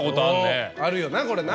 あるよなこれな。